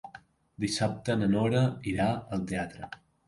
Dissabte na Nora irà al teatre.